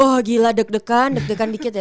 oh gila deg degan deg degan dikit ya